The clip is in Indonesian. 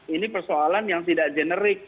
ini persoalan yang tidak generik